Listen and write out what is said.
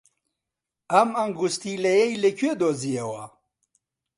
ئەم ئەنگوستیلەیەی لەکوێ دۆزییەوە؟